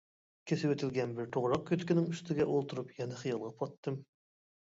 كېسىۋېتىلگەن بىر توغراق كۆتىكىنىڭ ئۈستىگە ئولتۇرۇپ يەنە خىيالغا پاتتىم.